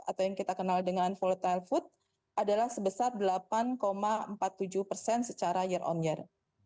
atau yang kita kenal dengan volatile food adalah sebesar delapan empat puluh tujuh persen secara year on year